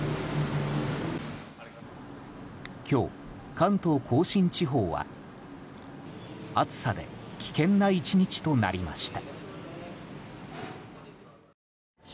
今日、関東・甲信地方は暑さで危険な１日となりました。